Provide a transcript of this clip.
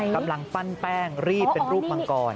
กำลังปั้นแป้งรีดเป็นรูปมังกร